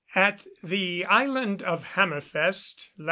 At the island of Hammerfest, lat.